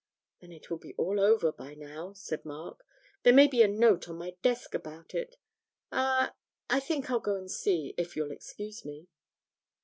'Then it will be all over by now,' said Mark; 'there may be a note on my desk about it. I I think I'll go and see, if you'll excuse me.'